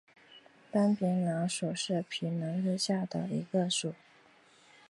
斑皮蠹属是皮蠹科下的一个属。